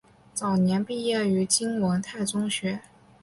早年毕业于金文泰中学。